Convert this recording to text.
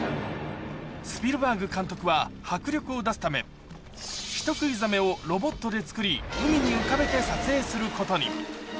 スピルバーグ監督は迫力を出すため、人食いザメをロボットで作り、海に浮かべて撮影することに。